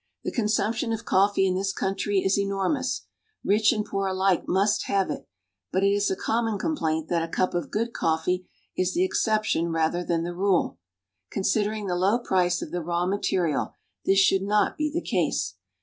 The consumption of coffee in this country is enormous. Rich and poor alike must have it. But it is a common complaint that a cup of good coffee is the exception rather than the rule. Considering the low price of the raw material, this should not be the case.